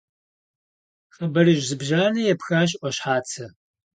Хъыбарыжь зыбжанэ епхащ Ӏуащхьацэ.